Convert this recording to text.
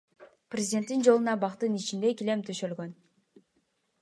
Президенттердин жолуна бактын ичинде килем төшөлгөн.